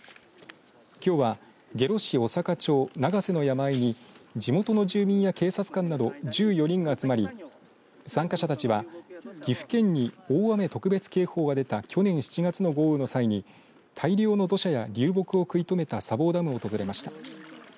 きょうは下呂市小坂町長瀬の山あいに地元の住民や警察官など１４人が集まり参加者たちは岐阜県に大雨特別警報が出た去年７月の豪雨の際に大量の土砂や流木を食い止めた砂防ダムを訪れました。